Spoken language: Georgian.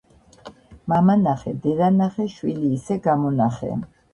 მამა ნახე, დედა ნახე, შვილი ისე გამონახე.